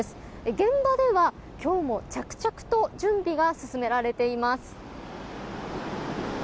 現場では、今日も着々と準備が進められています。